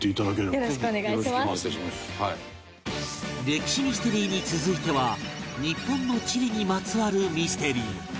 歴史ミステリーに続いては日本の地理にまつわるミステリー